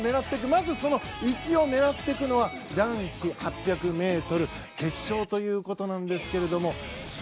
まずその１位を狙っていくのは男子８００ｍ決勝ということなんですけれども。